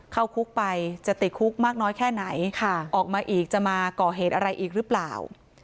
เข้าคุกไปจะติดคุกมากน้อยแค่ไหนออกมาอีกจะมาก่อเหตุอะไรอีกหรือเปล่า